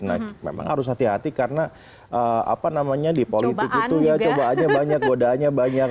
nah memang harus hati hati karena apa namanya di politik itu ya cobaannya banyak godaannya banyak